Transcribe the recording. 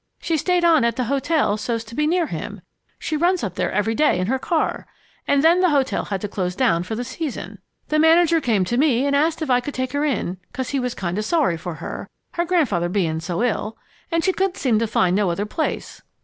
She stayed on at the hotel so's to be near him (she runs up there every day in her car), and then the hotel had to close down for the season. The manager come to me and asked me if I could take her in, 'cause he was kind of sorry for her, her grandfather bein' so ill, an' she couldn't seem to find no other place.